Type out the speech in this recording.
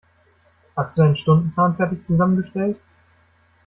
Hast du deinen Stundenplan fertig zusammengestellt?